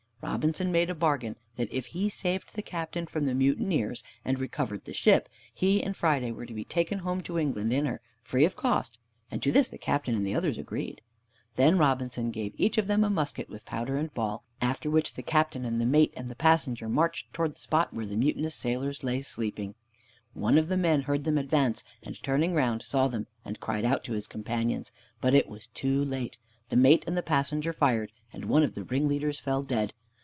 Robinson made a bargain that if he saved the Captain from the mutineers, and recovered the ship, he and Friday were to be taken home to England in her, free of cost; and to this the Captain and the others agreed. Then Robinson gave each of them a musket, with powder and ball, after which the Captain and the mate and the passenger marched towards the spot where the mutinous sailors lay asleep. One of the men heard them advance, and turning round, saw them, and cried out to his companions. But it was too late, the mate and the passenger fired, and one of the ringleaders fell dead.